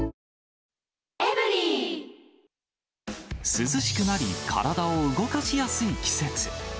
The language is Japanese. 涼しくなり、体を動かしやすい季節。